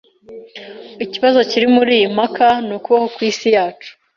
Ikibazo kiri muriyi mpaka ni ukubaho kwisi yacu.